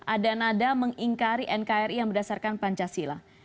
ada nada mengingkari nkri yang berdasarkan pancasila